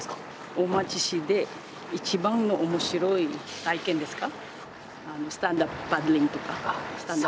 大町市でイチバンのおもしろい体験ですか。